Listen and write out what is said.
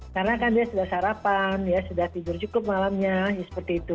karena kan dia sudah sarapan sudah tidur cukup malamnya seperti itu